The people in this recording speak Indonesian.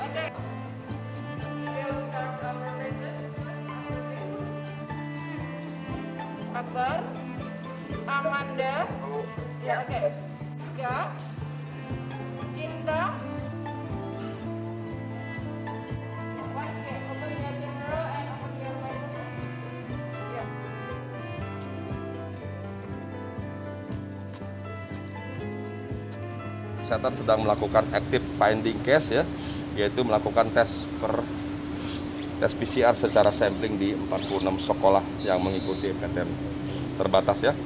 peserta sedang melakukan active finding case yaitu melakukan tes pcr secara sampling di empat puluh enam sekolah yang mengikuti ptm terbatas